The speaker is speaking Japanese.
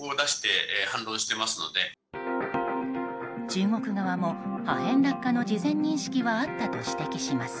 中国側も破片落下の事前認識はあったと指摘します。